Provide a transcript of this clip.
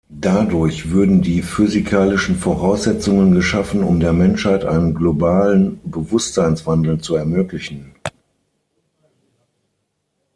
Dadurch würden die physikalischen Voraussetzungen geschaffen, um der Menschheit einen globalen Bewusstseinswandel zu ermöglichen.